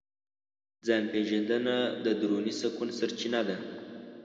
ځان پېژندنه د دروني سکون سرچینه ده.